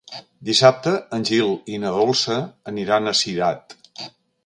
Dissabte en Gil i na Dolça aniran a Cirat.